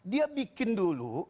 dia bikin dulu